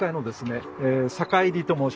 坂入と申します。